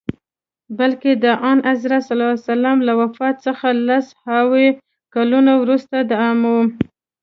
بلکه د آنحضرت ص له وفات څخه لس هاوو کلونه وروسته د اموي.